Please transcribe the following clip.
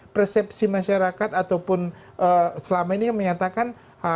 persepsi masyarakat ataupun selama ini yang menyatakan